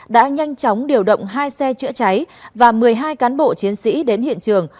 đã nhanh chóng điều động hai xe chữa cháy và một mươi hai cán bộ chiến sĩ đến hiện trường